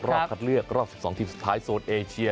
รอบคัดเลือกรอบ๑๒ทีมสุดท้ายโซนเอเชีย